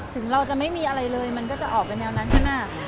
ถึงเราจะไม่มีอะไรเลยมันก็จะออกไปแนวนั้นใช่ไหม